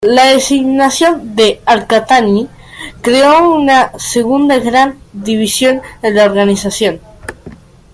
La designación de al-Qahtani creó una segunda gran división en la organización.